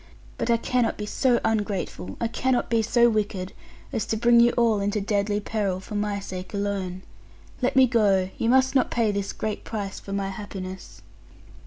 But I cannot be so ungrateful, I cannot be so wicked, as to bring you all into deadly peril, for my sake alone. Let me go: you must not pay this great price for my happiness.'